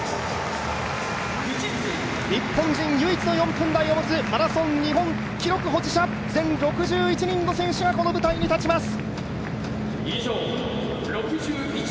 日本人唯一の４分台を持つマラソン日本記録保持者、全６１人の選手がこの舞台に立ちます。